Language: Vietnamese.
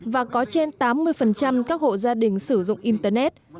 và có trên tám mươi các hộ gia đình sử dụng internet